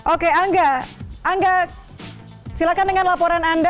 oke angga silahkan dengan laporan anda